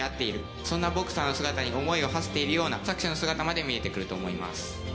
そんなボクサーの姿に思いをはせているような作者の姿まで見えてくると思います。